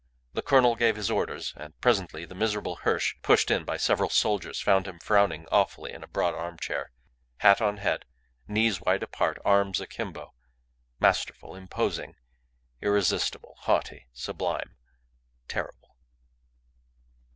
The colonel gave his orders, and presently the miserable Hirsch, pushed in by several soldiers, found him frowning awfully in a broad armchair, hat on head, knees wide apart, arms akimbo, masterful, imposing, irresistible, haughty, sublime, terrible.